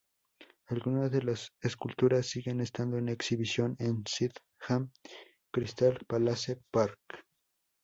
Algunas de las esculturas siguen estando en exhibición en Sydenham Crystal Palace Park.